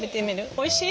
おいしい？